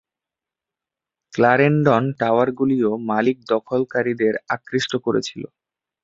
Clarendon টাওয়ারগুলিও মালিক দখলকারীদের আকৃষ্ট করেছিল।